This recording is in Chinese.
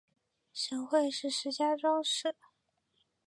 省会是石家庄市。